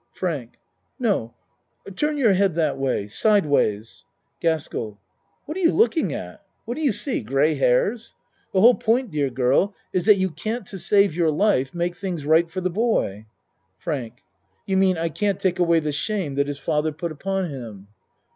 FRANK No, turn your head that way side ways. GASKELL What are you looking at? What do you see? Gray hairs? The whole point, dear girl, is that you can't to save your life make things right for the boy. FRANK You mean I can't take away the shame that his father put upon him?